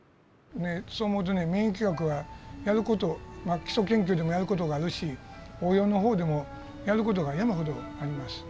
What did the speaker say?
そう思うとね免疫学はやる事が基礎研究でもやる事があるし応用の方でもやる事が山ほどあります。